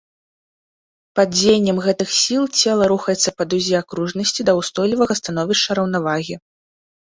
Пад дзеяннем гэтых сіл цела рухаецца па дузе акружнасці да ўстойлівага становішча раўнавагі.